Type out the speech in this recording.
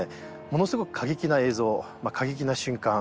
ものすごく過激な映像過激な瞬間